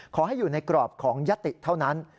ขอให้อยู่ในกรอบของยติเท่านั้น